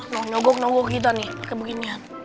nonggok nonggok kita nih pakai beginian